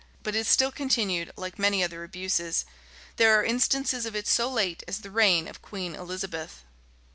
but it still continued, like many other abuses. There are instances of it so late as the reign of Queen Elizabeth.